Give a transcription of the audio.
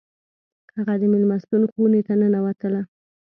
هغه د میلمستون خونې ته ننوتله